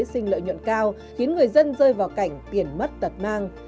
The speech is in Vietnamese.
sinh lợi nhuận cao khiến người dân rơi vào cảnh tiền mất tật mang